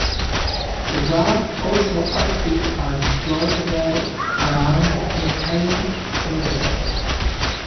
The berm also acted as a flood wall around the entire stadium.